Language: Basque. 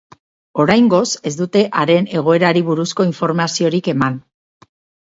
Oraingoz ez dute haren egoerari buruzko informaziorik eman.